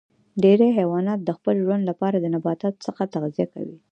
ډیری حیوانات د خپل ژوند لپاره د نباتاتو څخه تغذیه کوي